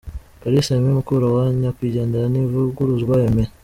Kalisa Aimé mukuru wa Nyakwigendera Ntivuguruzwa Aimé .